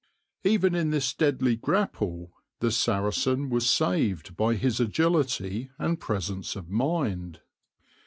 Even in this deadly grapple the Saracen was saved by his agility and presence of mind.